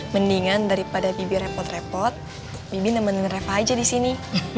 mendingan daripada bibi repot repot bibi nemenin repa aja di sini